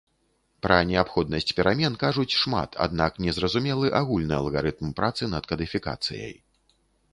Пра неабходнасць перамен кажуць шмат, аднак не зразумелы агульны алгарытм працы над кадыфікацыяй.